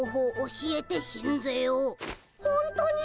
ほんとに！？